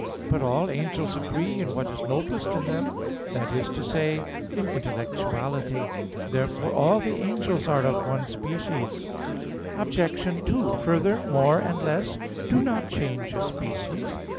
But all angels agree in what is noblest in them that is to say, in intellectuality. Therefore all the angels are of one species. Obj. 2: Further, more and less do not change a species.